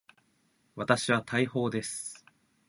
私は大砲です。